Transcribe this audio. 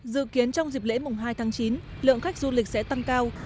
dự kiến trong dịp lễ mùng hai tháng chín lượng khách du lịch sẽ tăng cao